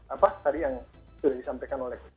apa tadi yang sudah disampaikan oleh